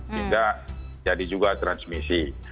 hingga jadi juga transmisi